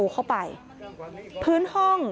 ไม่ใช่